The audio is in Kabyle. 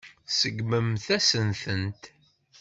Tseggmemt-asen-tent.